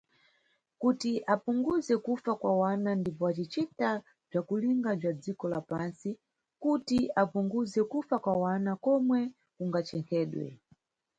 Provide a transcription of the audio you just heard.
Kuti yapunguze kufa kwa wana ndipo acicita bzakulinga bza dziko la pantsi kuti yapunguze kufa kwana komwe kungachenkhedwe.